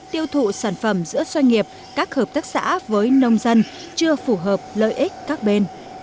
tiêu thụ sản phẩm giữa doanh nghiệp các hợp tác xã với nông dân chưa phù hợp lợi ích các bên